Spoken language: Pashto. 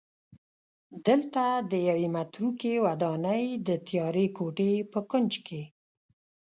دلته د یوې متروکې ودانۍ د تیارې کوټې په کونج کې